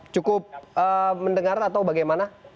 cukup mendengar atau bagaimana